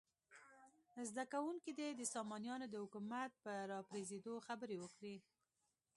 زده کوونکي دې د سامانیانو د حکومت په راپرزېدو خبرې وکړي.